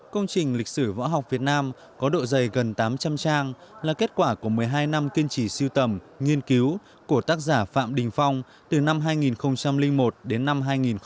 công trình lịch sử võ học việt nam có độ dày gần tám trăm linh trang là kết quả của một mươi hai năm kiên trì siêu tầm nghiên cứu của tác giả phạm đình phong từ năm hai nghìn một đến năm hai nghìn một mươi